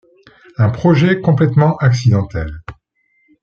Un projet complètement accidentel.